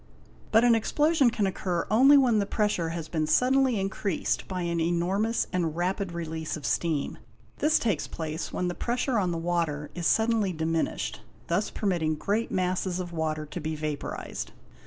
But an explosion can occur only when the pressure has been suddenly increased by an enormous and rapid release of steam; this takes place when the pressure on the water is suddenly diminished, thus permitting great masses of water to be vaporised.